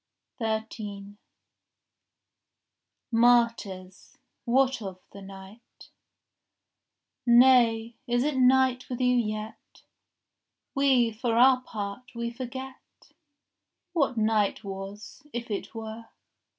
13 Martyrs, what of the night?— Nay, is it night with you yet? We, for our part, we forget What night was, if it were.